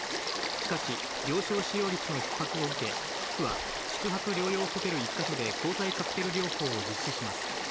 しかし、病床使用率のひっ迫を受け、府は宿泊療養ホテル１か所で抗体カクテル療法を実施します。